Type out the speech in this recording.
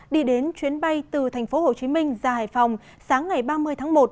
đi đến chuyến bay từ tp hồ chí minh ra hải phòng sáng ngày ba mươi tháng một